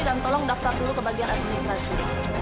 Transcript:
dan tolong daftar dulu ke bagian administrasi